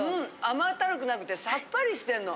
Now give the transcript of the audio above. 甘ったるくなくてさっぱりしてんの。